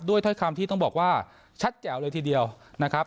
ถ้อยคำที่ต้องบอกว่าชัดแจ๋วเลยทีเดียวนะครับ